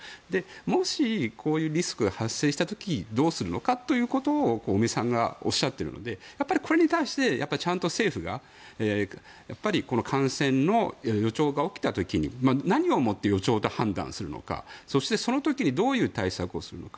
もし、こういうリスクが発生した時にどうするのかを尾身さんがおっしゃっているのでやっぱり、これに対してちゃんと政府が感染の予兆が起きた時に何をもって予兆と判断するのかそして、その時にどういう対策をするのか。